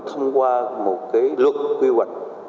thông qua một cái luật quy hoạch